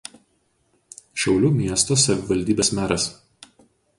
Šiaulių miesto savivaldybės meras.